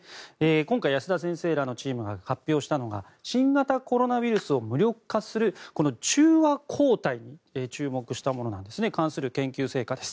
今回、保田先生らのチームが発表したのが新型コロナウイルスを無力化する中和抗体に注目した研究成果です。